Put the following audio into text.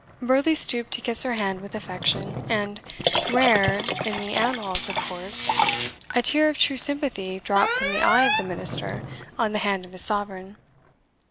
Burleigh stooped to kiss her hand with affection, and rare in the annals of courts a tear of true sympathy dropped from the eye of the minister on the hand of his Sovereign.